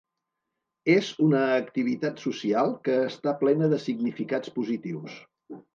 És una activitat social que està plena de significats positius.